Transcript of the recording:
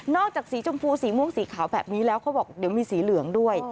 จากสีชมพูสีม่วงสีขาวแบบนี้แล้วเขาบอกเดี๋ยวมีสีเหลืองด้วย